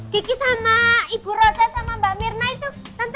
kiki sama ibu rosa sama mbak mirna itu tentu